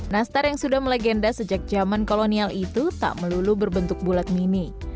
nastar yang sudah melegenda sejak zaman kolonial itu tak melulu berbentuk bulat mini